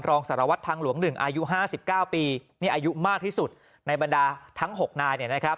รองสารวัตรทางหลวง๑อายุ๕๙ปีอายุมากที่สุดในบรรดาทั้ง๖นาย